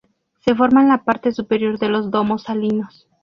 Se forma en la parte superior de los domos salinos.